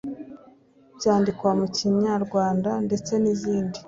byandikwa mu Kinyarwanda ndetse nizindi